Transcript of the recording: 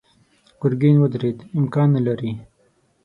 ګرګين ودرېد: امکان نه لري.